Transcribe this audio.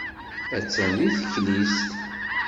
Attan deg teklizt.